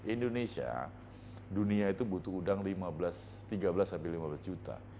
indonesia dunia itu butuh udang tiga belas sampai lima belas juta